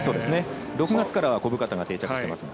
６月からは小深田が定着してますが。